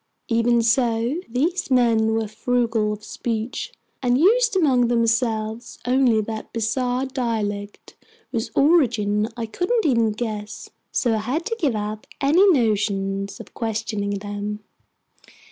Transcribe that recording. Even so, these men were frugal of speech and used among themselves only that bizarre dialect whose origin I couldn't even guess. So I had to give up any notions of questioning them.